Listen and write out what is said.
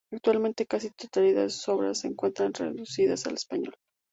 Actualmente, casi la totalidad de sus obras se encuentran traducidas al español.